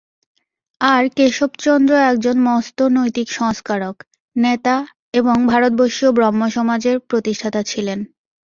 আর কেশবচন্দ্র একজন মস্ত নৈতিক সংস্কারক, নেতা এবং ভারতবর্ষীয় ব্রহ্মসমাজের প্রতিষ্ঠাতা ছিলেন।